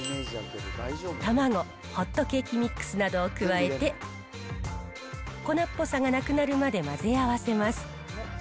卵、ホットケーキミックスなどを加えて、粉っぽさがなくなるまで混ぜ合わせます。